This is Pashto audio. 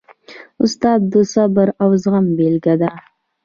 استاد د صبر او زغم بېلګه ده.